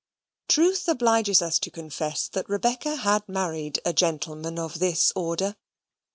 Truth obliges us to confess that Rebecca had married a gentleman of this order.